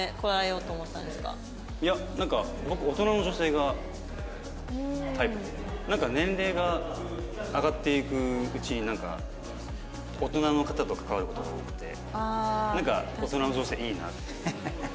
いやなんか僕なんか年齢が上がっていくうちに大人の方と関わる方が多くてなんか大人の女性いいなっていう感じで。